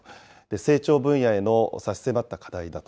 成長分野への差し迫った課題だと。